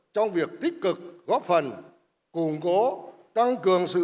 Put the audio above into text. trong việc tích cực góp phần củng cố tăng cường sự tham gia